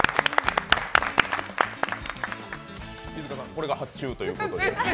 これが発注ということで？